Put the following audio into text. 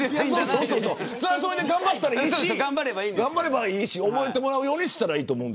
それはそれで頑張ればいいし覚えてもらうようにしたらいいと思う。